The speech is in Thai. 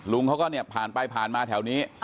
ลุงเขาก็เนี่ยผ่านไปผ่านมาแถวนี้